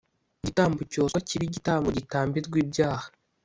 igitambo cyoswa kibe igitambo gitambirwa ibyaha